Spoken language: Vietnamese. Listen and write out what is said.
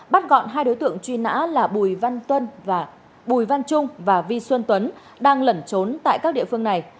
bắt gọn hai đối tượng truy nã là bùi văn trung và vi xuân tuấn đang lẩn trốn tại các địa phương này